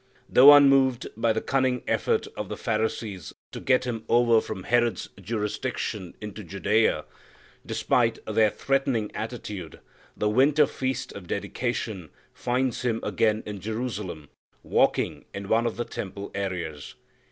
Though unmoved by the cunning effort of the Pharisees to get Him over from Herod's jurisdiction into Judea, despite their threatening attitude, the winter Feast of Dedication finds Him again in Jerusalem walking in one of the temple areas.